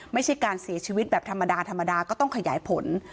ไม่ใช่การเสียชีวิตแบบธรรมดาธรรมดาก็ต้องขยายผล